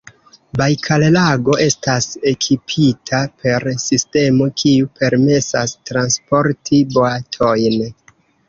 Bajkallago estas ekipita per sistemo, kiu permesas transporti boatojn.